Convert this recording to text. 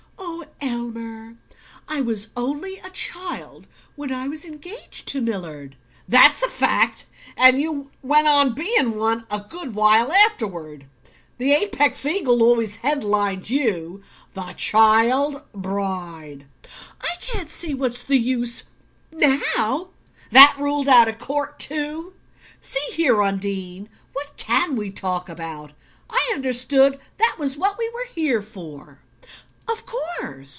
"Oh, Elmer I was only a child when I was engaged to Millard " "That's a fact. And you went on being one a good while afterward. The Apex Eagle always head lined you 'The child bride' " "I can't see what's the use now ." "That ruled out of court too? See here. Undine what CAN we talk about? I understood that was what we were here for." "Of course."